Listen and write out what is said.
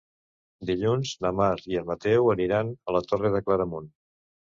Dilluns na Mar i en Mateu aniran a la Torre de Claramunt.